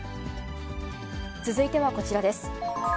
続いてはこちらです。